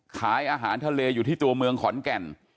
ขายอาหารทะเลอยู่ที่ตัวเมืองขอนแก่น